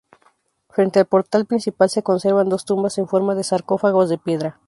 Frente al portal principal se conservan dos tumbas en forma de sarcófagos de piedra.